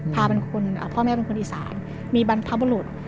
พ่อแม่เป็นคนอีสานมีบรรพบรุษ